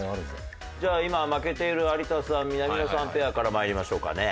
じゃあ今負けている有田さん・南野さんペアから参りましょうかね。